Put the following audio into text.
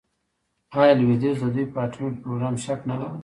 آیا لویدیځ د دوی په اټومي پروګرام شک نلري؟